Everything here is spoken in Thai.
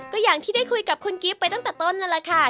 ก็อย่างที่ได้คุยกับคุณกิฟต์ไปตั้งแต่ต้นนั่นแหละค่ะ